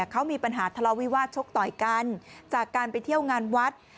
เขามีปัญหาทะเลาวิวาสชกต่อยกันจากการไปเที่ยวงานวัด